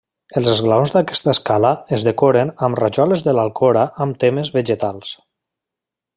Els esglaons d'aquesta escala es decoren amb rajoles de l'Alcora amb temes vegetals.